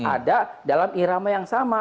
ada dalam irama yang sama